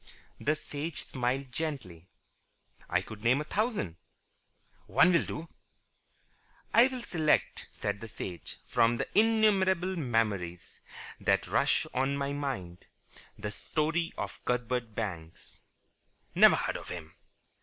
The Sage smiled gently. "I could name a thousand." "One will do." "I will select," said the Sage, "from the innumerable memories that rush to my mind, the story of Cuthbert Banks." "Never heard of him."